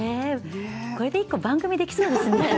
これで１個が番組できそうですね。